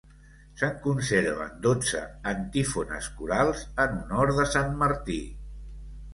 Se'n conserven dotze antífones corals en honor de Sant Martí.